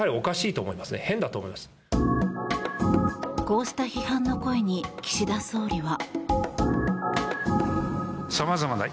こうした批判の声に岸田総理は。